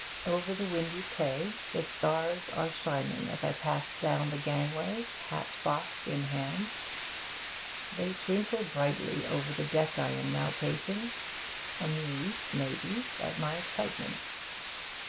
Over the windy quay the stars are shining as I pass down the gangway, hat box in hand. They twinkle brightly over the deck I am now pacing amused, may be, at my excitement.